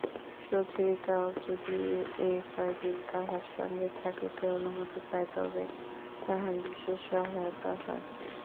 সুচরিতাও যদি এ কয়দিন তাঁহার সঙ্গে থাকিতে অনুমতি পায় তবে তাঁহার বিশেষ সহায়তা হয়।